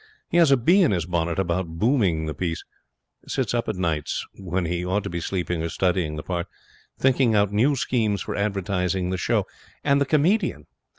He has a bee in his bonnet about booming the piece. Sits up at nights, when he ought to be sleeping or studying his part, thinking out new schemes for advertising the show. And the comedian.